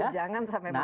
jangan sampai masuk